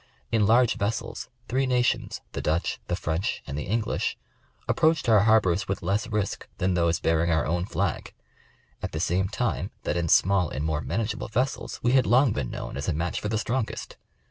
In large vessels, three nations, the Dutch, the French, and the English, approached our harbors with less risk than those bearing our own flag ; at the same time that in small and more manageable vessels, we had long been known as a match for the strongest.